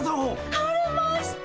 晴れました！